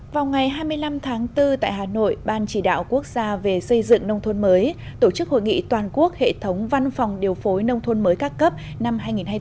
vào ngày hai mươi năm tháng bốn tại hà nội ban chỉ đạo quốc gia về xây dựng nông thôn mới tổ chức hội nghị toàn quốc hệ thống văn phòng điều phối nông thôn mới các cấp năm hai nghìn hai mươi bốn